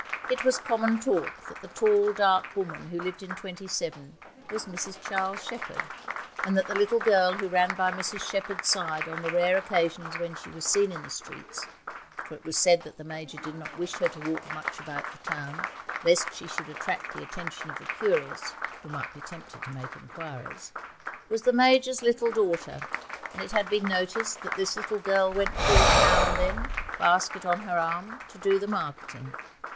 It was common talk that the tall, dark woman who lived in 27 was Mrs Charles Shepherd, and that the little girl who ran by Mrs Shepherd's side on the rare occasions when she was seen in the streets for it was said that the Major did not wish her to walk much about the town, lest she should attract the attention of the curious, who might be tempted to make inquiries was the Major's little daughter, and it had been noticed that this little girl went forth now and then, basket on her arm, to do the marketing.